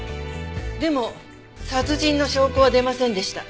でも殺人の証拠は出ませんでした。